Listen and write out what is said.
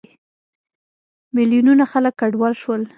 میلیونونه خلک کډوال شول.